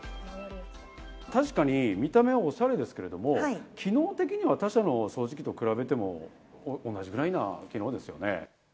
確かに見た目はオシャレですけど、機能的には他社の掃除機と比べても同じぐらいな機能ですよね。